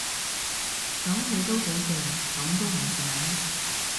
噉佢都幾勁，噉都唔醒